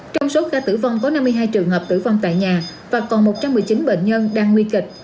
trong số ca tử vong có năm mươi hai trường hợp tử vong tại nhà và còn một trăm một mươi chín bệnh nhân đang nguy kịch